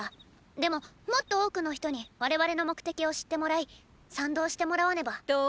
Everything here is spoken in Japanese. でももっと多くの人に我々の目的を知ってもらい賛同してもらわねばーー。